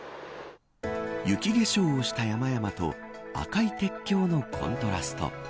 雪化粧した山々と赤い鉄橋のコントラスト。